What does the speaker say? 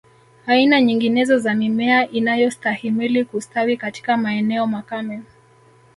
Aina nyinginezo za mimea inayostahimili kustawi katika maeneo makame